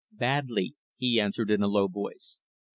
"Badly," he answered in a low voice.